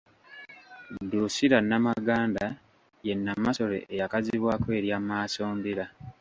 Drusilla Namaganda ye Namasole eyakazibwako erya Maasombira.